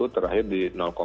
terakhir di delapan puluh empat